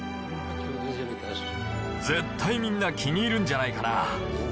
絶対みんな、気に入るんじゃないかな？